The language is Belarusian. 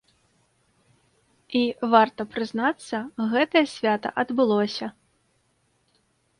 І, варта прызнацца, гэтае свята адбылося.